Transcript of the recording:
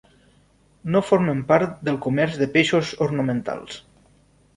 No formen part del comerç de peixos ornamentals.